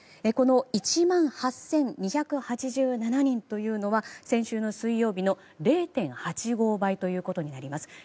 この１万８２８７人というのは先週の水曜日の０．８５倍ということになります。